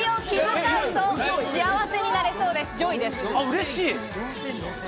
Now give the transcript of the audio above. うれしい。